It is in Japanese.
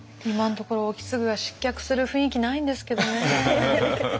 今のところ意次が失脚する雰囲気ないんですけどね。